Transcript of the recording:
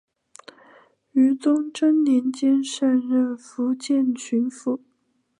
于崇祯年间上任福建巡抚。